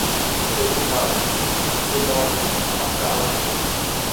সে বিশাল, সে বদ, আর তার অনেক তেজ।